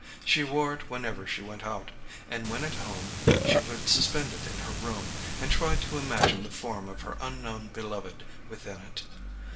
She wore it whenever she went out; and when at home she would suspend it in her room, and try to imagine the form of her unknown beloved within it.